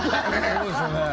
そうですよね